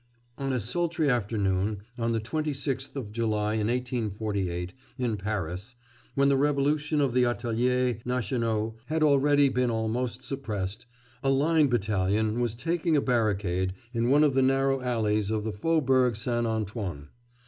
On a sultry afternoon on the 26th of July in 1848 in Paris, when the Revolution of the ateliers nationaux had already been almost suppressed, a line battalion was taking a barricade in one of the narrow alleys of the Faubourg St Antoine.